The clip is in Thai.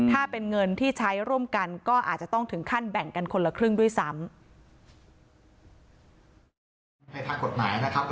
ถ้าเป็นเงินที่ใช้ร่วมกันก็อาจจะต้องถึงขั้นแบ่งกันคนละครึ่งด้วยซ้ำ